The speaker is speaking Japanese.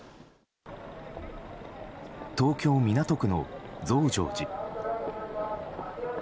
東京・港区の増上寺。